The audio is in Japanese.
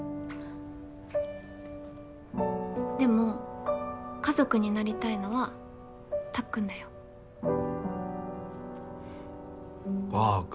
でも家族になりたいのはたっくんだよ。ふっばか。